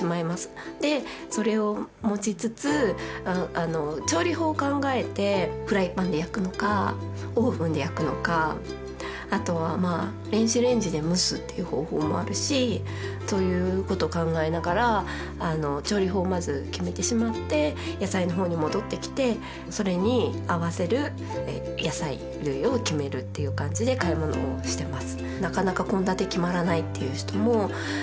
でそれを持ちつつ調理法を考えてフライパンで焼くのかオーブンで焼くのかあとは電子レンジで蒸すっていう方法もあるしそういうことを考えながら調理法をまず決めてしまって野菜のほうに戻ってきてそれに合わせる野菜類を決めるっていう感じで買い物をしてます。